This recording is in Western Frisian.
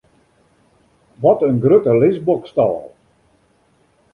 Wat in grutte lisboksstâl!